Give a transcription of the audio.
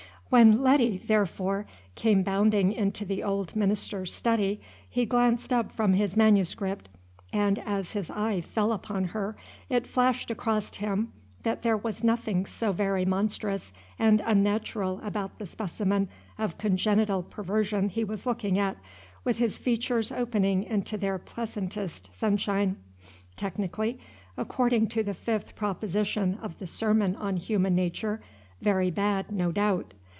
When Letty, therefore, came bounding into the old minister's study, he glanced up from his manuscript, and, as his eye fell upon her, it flashed across him that there was nothing so very monstrous and unnatural about the specimen of congenital perversion he was looking at, with his features opening into their pleasantest sunshine. Technically, according to the fifth proposition of the sermon on Human Nature, very bad, no doubt.